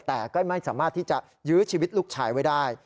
แต่ก็ไม่สามารถที่จะยื้อชีวิตลูกชายไว้ได้